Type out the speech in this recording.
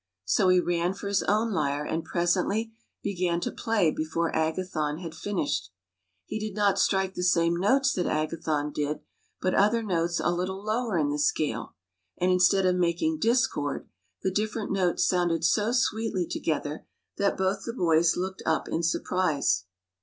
So he ran for his own lyre, and presently began to play before Agathon had finished. He did not strike the same notes that Agathon did, but other notes a little lower in the scale; and instead of making discord, the different notes sounded so sweetly together that both the boys looked up in surprise.